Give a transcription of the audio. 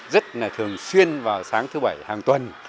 rất là thường xuyên vào sáng thứ bảy hàng tuần